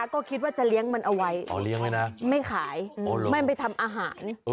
ก็คิดว่าจะเลี้ยงมันเอาไว้นะไม่ขายไม่ไปทำอาหาร